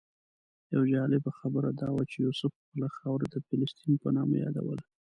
یوه جالبه خبره دا وه چې یوسف خپله خاوره د فلسطین په نامه یادوله.